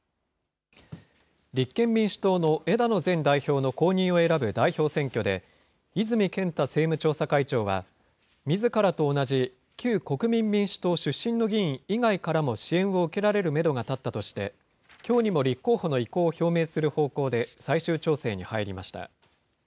立憲民主党の枝野前代表の後任を選ぶ代表選挙で、泉健太政務調査会長は、みずからと同じ旧国民民主党出身の議員以外からも支援を受けられるメドが立ったとして、きょうにも立候補の意向を表明する方向で最終調整に入りました。